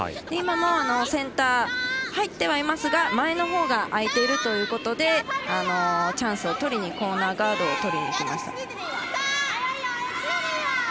今もセンター入ってはいますが前のほうが空いているということでチャンスをとりにコーナーガードをとりにきました。